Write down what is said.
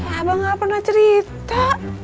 ya abang gak pernah cerita